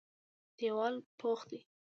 دېوال پخ دی.